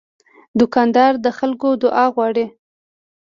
دوکاندار د خلکو دعا غواړي.